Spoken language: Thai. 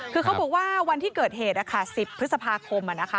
คือเขาบอกว่าวันที่เกิดเหตุ๑๐พฤษภาคม